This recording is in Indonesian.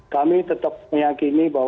kami tetap meyakini bahwa yang terakhir